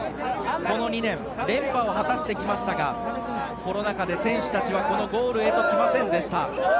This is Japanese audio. この２年連覇を果たしてきましたがコロナ禍で選手たちはこのゴールへと来ませんでした。